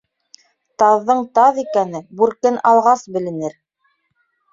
Таҙҙың таҙ икәне, бүркен һалғас беленер.